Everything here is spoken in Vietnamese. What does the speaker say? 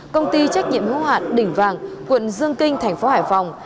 công ty trách nhiệm hữu hạn đỉnh vàng quận dương kinh tp hải phòng